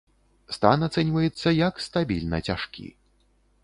Стан ацэньваецца як стабільна цяжкі.